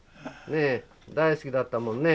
ねえ大好きだったもんね。